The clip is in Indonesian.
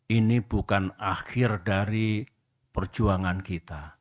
ini bukan akhir dari perjuangan kita